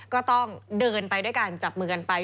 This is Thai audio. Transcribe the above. ก็ต้องเดินไปด้วยการจับมือกันไป